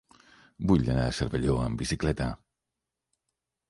Vull anar a Cervelló amb bicicleta.